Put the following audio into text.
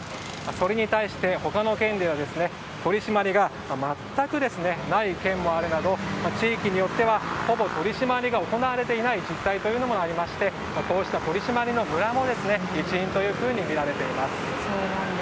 それに対して他の県では取り締まりが全くない県もあるなど地域によってはほぼ取り締まりが行われていない実態もありましてこうした取り締まりのムラも一因とみられています。